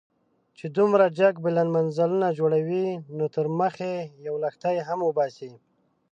چې دومره جګ بلند منزلونه جوړوئ، نو تر مخ يې يو لښتی هم وباسئ.